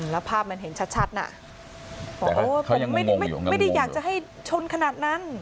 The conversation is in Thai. แล้วภาพมันเห็นชัดนะแต่เขายังงงงอยู่ไม่ได้อยากจะให้ชนขนาดนั้น